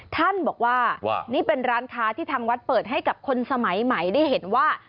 ท่านบอกว่านี่เป็นร้านค้าที่ทางวัดเปิดให้กับคนสมัยใหม่ได้เห็นว่า